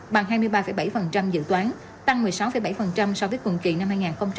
bằng hai mươi ba bảy dự toán tăng một mươi sáu bảy so với cùng kỳ năm hai nghìn hai mươi ba